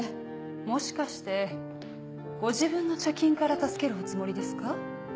もしかしてご自分の貯金から助けるおつもりですか？